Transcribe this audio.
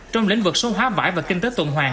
trong lĩnh vực số hóa vải và kinh tế tuần hoàng